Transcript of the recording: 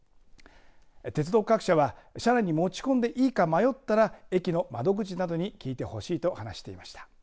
鉄道各社は車内に持ち込んでいいか迷ったら駅の窓口などに聞いてほしいと話していました。